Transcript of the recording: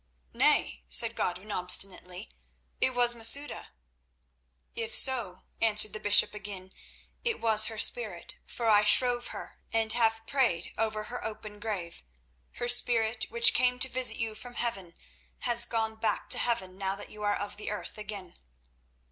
"Nay," said Godwin obstinately, "it was Masouda." "If so," answered the bishop again, "it was her spirit, for I shrove her and have prayed over her open grave—her spirit, which came to visit you from heaven, and has gone back to heaven now that you are of the earth again."